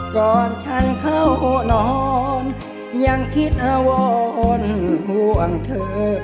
ก่อนฉันเข้าน้องยังคิดอวรห่วงเธอ